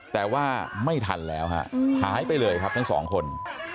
แต่ว่าไม่ทันแล้วฮะหายไปเลยครับทั้งสองคน